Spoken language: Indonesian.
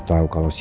nggak ada harusnya